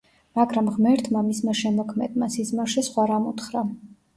მაგრამ ღმერთმა, მისმა შემოქმედმა, სიზმარში სხვა რამ უთხრა.